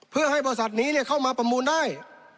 เพื่อให้บริษัทนี้เข้ามาประมูลได้